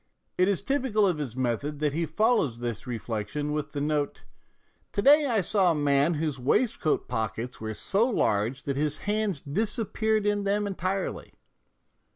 It is typical of his method that he follows this reflection with the note, "To day I saw a man whose waistcoat pockets were so large that his hands disappeared in them entirely."